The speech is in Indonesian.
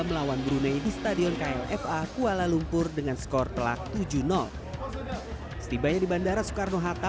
melawan brunei di stadion klfa kuala lumpur dengan skor telak tujuh setibanya di bandara soekarno hatta